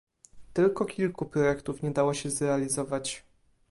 Tylko kilku projektów nie dało się zrealizować